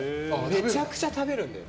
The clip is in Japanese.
めちゃくちゃ食べるんですよ。